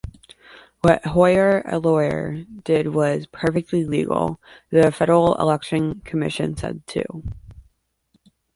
What Hoyer, a lawyer, did was perfectly legal, the Federal Election Commission said, too.